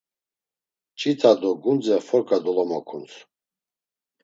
Mç̌ita do gundze forǩa dolomokuns.